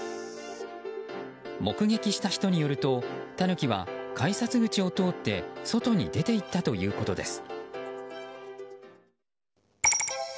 目撃した人によるとタヌキは改札口を通って外に出ていったということです。